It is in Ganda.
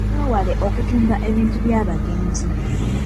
Mwewale okutunda ebintu by'abagenzi.